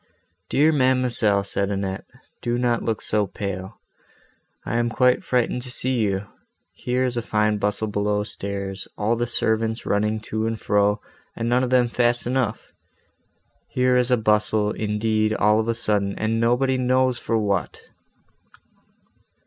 "Dear ma'amselle!" said Annette, "do not look so pale. I am quite frightened to see you. Here is a fine bustle below stairs, all the servants running to and fro, and none of them fast enough! Here is a bustle, indeed, all of a sudden, and nobody knows for what!"